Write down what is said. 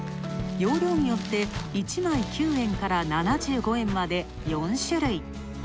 容量によって１枚９円から７５円まで４種類。